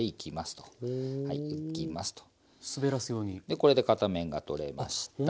でこれで片面が取れました。